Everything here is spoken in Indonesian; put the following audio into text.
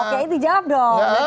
ya kira kira siapa